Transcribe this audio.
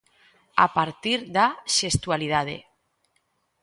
A partir da xestualidade.